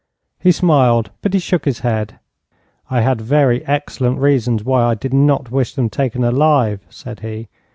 He smiled, but he shook his head. 'I had very excellent reasons why I did not wish them taken alive,' said he.